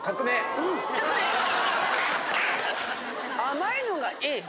甘いのがいい。